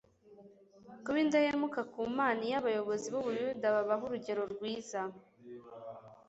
kuba indahemuka ku mana iyo abayobozi b'ubuyuda babaha urugero rwiza